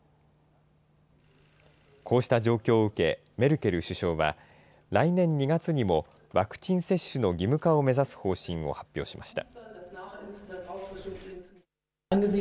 こうした状況を受け、メルケル首相は、来年２月にもワクチン接種の義務化を目指す方針を発表しました。